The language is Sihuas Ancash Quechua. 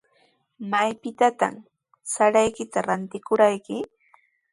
¿Maytrawmi saraykita ratikurqayki?